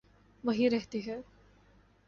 وہیں رہتی ہے۔